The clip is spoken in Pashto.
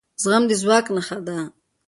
زغم د ځواک نښه ده